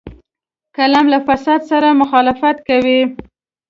قلم له فساد سره مخالفت کوي